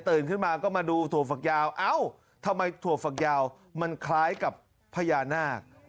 ขึ้นมาก็มาดูถั่วฝักยาวเอ้าทำไมถั่วฝักยาวมันคล้ายกับพญานาค